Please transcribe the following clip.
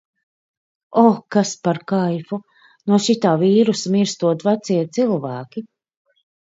O, kas par kaifu! No šitā vīrusa mirstot vecie cilvēki.